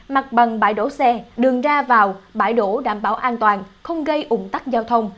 mặt bằng bãi đổ xe đường ra vào bãi đổ đảm bảo an toàn không gây ủng tắc giao thông